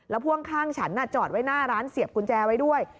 พ่วงข้างฉันจอดไว้หน้าร้านเสียบกุญแจไว้ด้วย